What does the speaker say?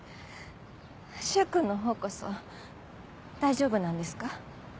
柊君のほうこそ大丈夫なんですか？